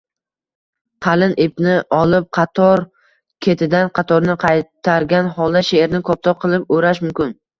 Qalin ipni olib, qator ketidan qatorni qaytargan holda “sheʼrni koptok qilib o‘rash” mumkin.